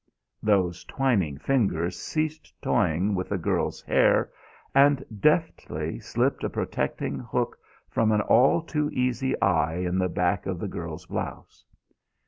Those twining fingers ceased toying with the girl's hair and deftly slipped a protecting hook from an all too easy eye in the back of the girl's blouse.